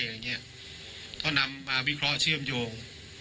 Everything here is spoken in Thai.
อย่างเงี้ยเขานำมาวิเคราะห์เชื่อมโยง